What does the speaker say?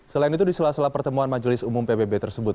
selain itu di sela sela pertemuan majelis umum pbb tersebut